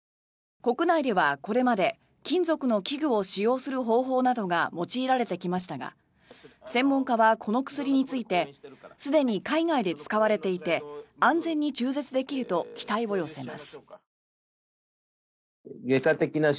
国内ではこれまで金属の器具を使用する方法などが用いられてきましたが専門家はこの薬についてすでに海外で使われていて安全に中絶できると期待を寄せます。